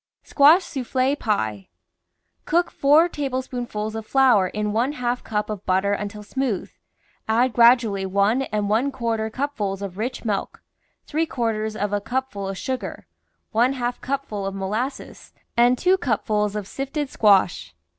SQUASH SOUFFLE PIE Cook four tablespoonfuls of flour in one half cup of butter until smooth, add gradually one and one quarter cupfuls of rich milk, three quarters of a cupful of sugar, one half cupful of molasses, and two cupfuls of sifted squash.